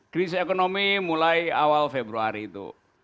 kris ekonomi mulai awal februari itu